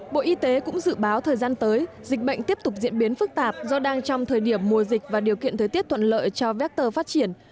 bộ y tế cũng dự báo thời gian tới dịch bệnh tiếp tục diễn biến phức tạp do đang trong thời điểm mùa dịch và điều kiện thời tiết thuận lợi cho vector phát triển